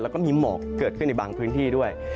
แล้วก็มีหมอกเกิดขึ้นในบางพื้นที่ด้วย